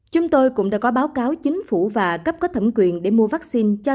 chúng tôi cũng đã có báo cáo chính phủ và cấp có thẩm quyền để mua vaccine